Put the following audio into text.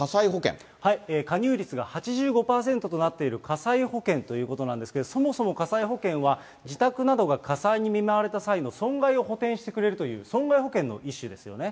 加入率が８５％となっている火災保険ということなんですが、そもそも火災保険は自宅などが火災に見舞われた際の損害を補填してくれるという、損害保険の一種ですね。